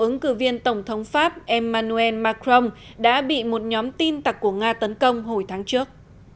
ứng cử viên tổng thống pháp emmanuel macron đã bị một nhóm tin tặc của nga tấn công hồi tháng trước